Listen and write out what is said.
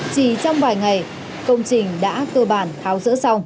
chỉ trong vài ngày công trình đã cơ bản tháo rỡ xong